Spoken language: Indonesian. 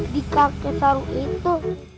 di kakek sarung itu